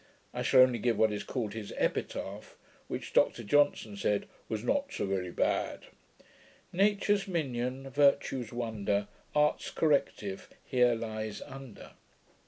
I shall only give what is called his Epitaph, which Dr Johnson said, 'was not so very bad'. Nature's minion. Virtue's wonder, Art's corrective here lyes under.